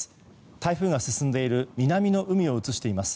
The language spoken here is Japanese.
台風が進んでいる南の海を映しています。